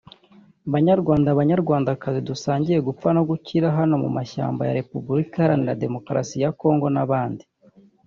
Banyarwanda Banyarwandakazi dusangiye gupfa no gukira hano mu mashyamba ya Repuburika Iharanira Demokarasi ya Kongo n’abandi